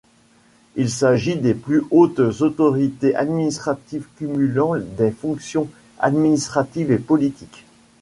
Il s’agit des plus hautes autorités administratives cumulant des fonctions administratives et politiques.